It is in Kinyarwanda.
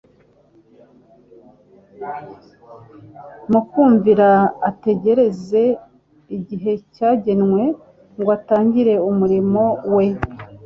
mu kumvira ategereza igihe cyagenwe ngo atangire umurimo We